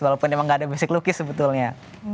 walaupun emang gak ada basic lukis sebetulnya